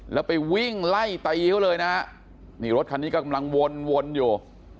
แล้วไปวิ่งไล่ตีเขาเลยนะฮะนี่รถคันนี้กำลังวนวนอยู่